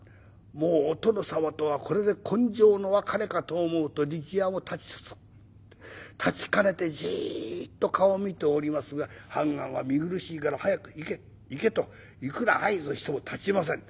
もうお殿様とはこれで今生の別れかと思うと力弥たちかねてじっと顔を見ておりますが判官は「見苦しいから早く行け行け」といくら合図をしてもたちません。